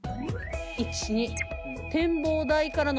１２。